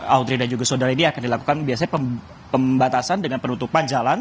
audrey dan juga saudara ini akan dilakukan biasanya pembatasan dengan penutupan jalan